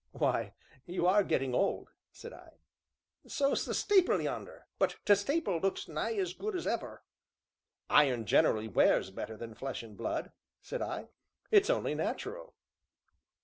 "Why, you are getting old," said I. "So 's t' stapil yonder, but t' stapil looks nigh as good as ever." "Iron generally wears better than flesh and blood," said I; "it's only natural."